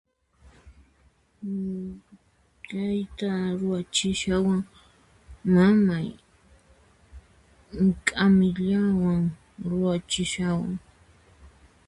KAYTA RUACHISHAWAN MAMAY, K'AMILLAWAN RUACHISHAWAN